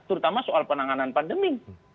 terutama soal penanganan pandemi